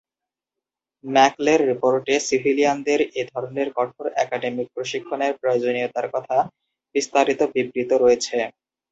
ম্যাকলের রিপোর্টে সিভিলয়ানদের এ ধরনের কঠোর একাডেমিক প্রশিক্ষণের প্রয়োজনীয়তার কথা বিস্তারিত বিবৃত রয়েছে।